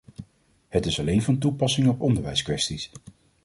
Het is alleen van toepassing op onderwijskwesties.